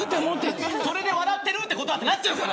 それで笑ってるってことはってなっちゃうから。